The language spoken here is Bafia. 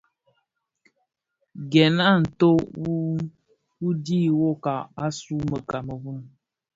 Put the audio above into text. Gèn a nto u dhid nwokag, asuu mun Kameroun.